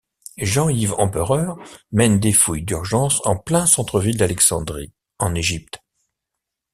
Jean-Yves Empereur mène des fouilles d'urgence en plein centre ville d'Alexandrie en Égypte.